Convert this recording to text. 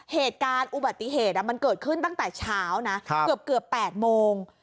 เหตุการณ์อุบัติเหตุมันเกิดขึ้นตั้งแต่เช้านะเกือบ๘โมง